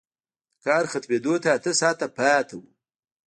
د کار ختمېدو ته اته ساعته پاتې وو